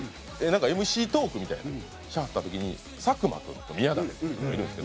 ＭＣトークみたいなんをしはった時に佐久間君と宮舘君がいるんですけど。